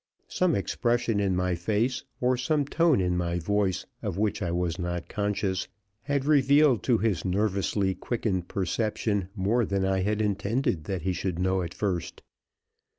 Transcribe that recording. Some expression in my face, or some tone in my voice, of which I was not conscious, had revealed to his nervously quickened perception more than I had intended that he should know at first.